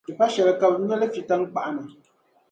di pa shɛli ka bɛ no li fi taŋkpaɣu ni.